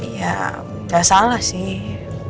ya nggak salah sih